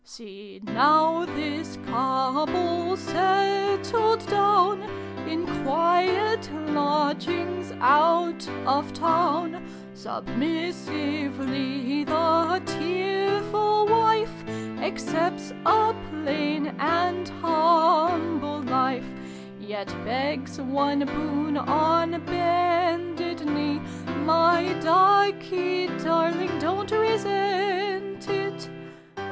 See now this couple settled down In quiet lodgings, out of town : Submissively the tearful ivife Accepts a plain and J tumble life : Yet begs one boon on bended knee :' My ducky darling, don't resent it